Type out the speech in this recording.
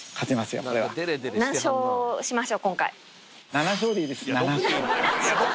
７勝でいいです。